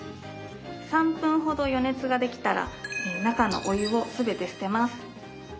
３分ほど余熱ができたら中のお湯を全て捨てます。